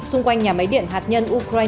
xung quanh nhà máy điện hà tây